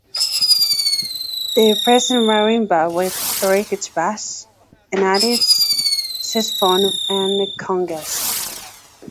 They replaced marimba with electric bass, and added saxophone and congas.